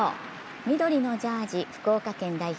緑のジャージー、福岡県代表